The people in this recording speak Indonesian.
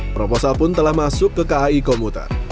proposal pun telah masuk ke kai komuter